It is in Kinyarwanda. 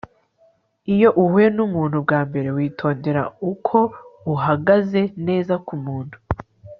Iyo uhuye numuntu bwa mbere witondere uko uhagaze neza kumuntu